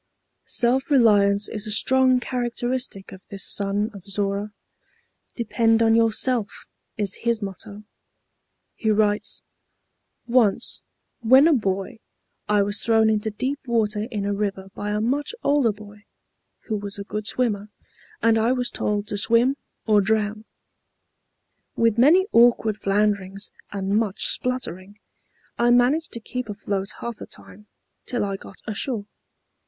Self reliance is a strong characteristic of this son of Zorra. Depend on yourself, is his motto. He writes: "Once, when a boy, I was thrown into deep water in a river by a much older boy, who was a good swimmer, and I was told to swim or drown. With many awkward flounderings, and much spluttering, I managed to keep afloat half the time, till I got ashore.